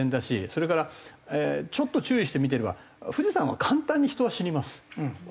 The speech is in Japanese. それからちょっと注意して見てれば富士山は簡単に人が死にます。